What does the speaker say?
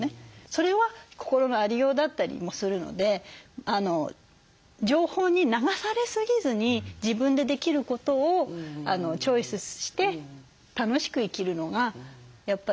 それは心のありようだったりもするので情報に流されすぎずに自分でできることをチョイスして楽しく生きるのがやっぱりいいんじゃないかなって。